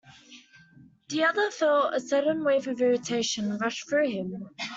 The other felt a sudden wave of irritation rush through him.